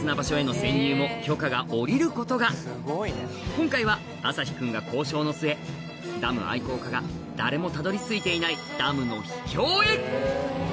今回は旭君が交渉の末ダム愛好家が誰もたどり着いていないダムの秘境へ！